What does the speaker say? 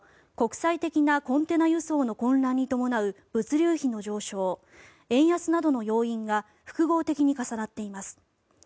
国際的なコンテナ輸送の混乱に伴う物流費の上昇円安などの要因が複合的に重なっています。